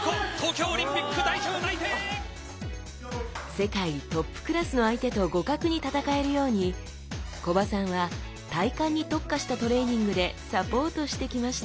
世界トップクラスの相手と互角に戦えるように木場さんは体幹に特化したトレーニングでサポートしてきました。